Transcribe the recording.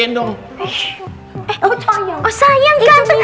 eh oh sayang kater